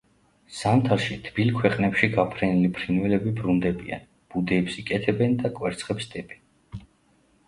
ზამთარში, თბილ ქვეყნებში გაფრენილი ფრინველები ბრუნდებიან, ბუდეებს იკეთებენ და კვერცხებს დებენ.